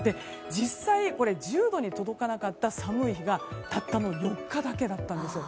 実際、１０度に届かなかった寒い日がたったの４日だけだったんですよ。